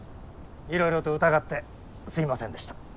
いろいろと疑ってすみませんでした。